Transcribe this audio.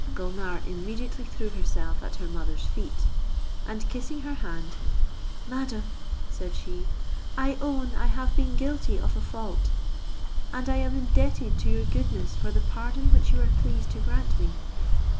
Gulnare immediately threw herself at her mother's feet, and kissing her hand, "Madam," said she, "I own I have been guilty of a fault, and I am indebted to your goodness for the pardon which you are pleased to grant me.